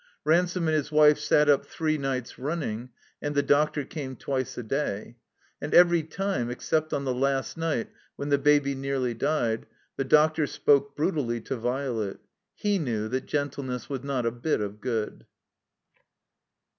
Ransome and his wife sat up three nights running, and the doctor came twice a day. And every time, except on the last night, when the Baby nearly died, the doctor spoke brutally to Violet. He knew that gentleness was not a bit of good.